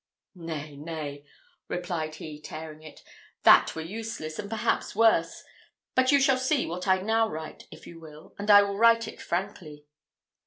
"Nay, nay!" replied he, tearing it, "that were useless, and perhaps worse; but you shall see what I now write, if you will, and I will write it frankly."